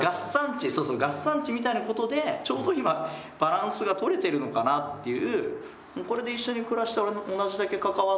合算値みたいなことでちょうど今バランスが取れてるのかなっていう。